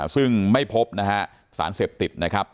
ซึ่งไม่พบนะฮะสารเสพติดนะครับ